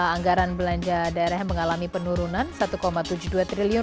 anggaran belanja daerah yang mengalami penurunan rp satu tujuh puluh dua triliun